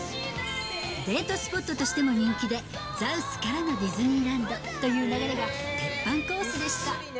デートスポットとしても人気で、ザウスからのディズニーランドという流れが、てっぱんコースでした。